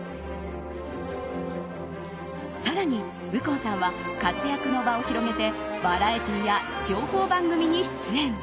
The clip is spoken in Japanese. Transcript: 更に右近さんは活躍の場を広げてバラエティーや情報番組に出演。